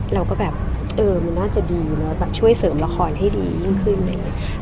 เราก็แบบเออมันน่าจะดีเนอะแบบช่วยเสริมละครให้ดียิ่งขึ้นอะไรอย่างนี้